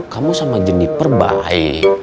kamu sama jeniper baik